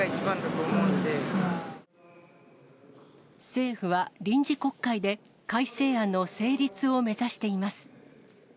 政府は臨時国会で、改正案の成立を目指しています。